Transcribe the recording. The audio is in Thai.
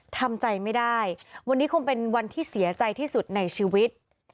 ทำใจไม่ได้วันนี้คงเป็นวันที่เสียใจที่สุดในชีวิต